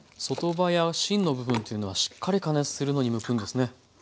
外葉や芯の部分っていうのはしっかり加熱するのに向くんですね。